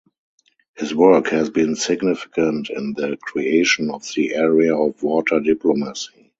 His work has been significant in the creation of the area of Water diplomacy.